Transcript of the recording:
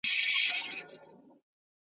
چي پر مځکه دهقان کښت کاوه د سونډو!.